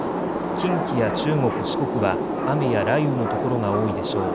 近畿や中国、四国は雨や雷雨の所が多いでしょう。